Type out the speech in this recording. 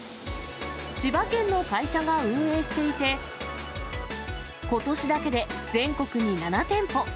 千葉県の会社が運営していて、ことしだけで全国に７店舗。